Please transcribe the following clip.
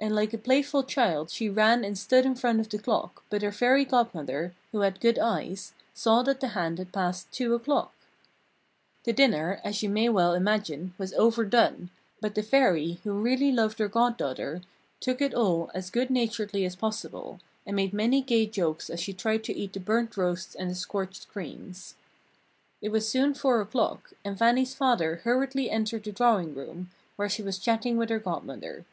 And like a playful child she ran and stood in front of the clock, but her Fairy Godmother, who had good eyes, saw that the hand had passed two o'clock. The dinner, as you may well imagine, was overdone, but the Fairy, who really loved her goddaughter, took it all as good naturedly as possible, and made many gay jokes as she tried to eat the burnt roasts and the scorched creams. It was soon four o'clock, and Fannie's father hurriedly entered the drawing room, where she was chatting with her Godmother.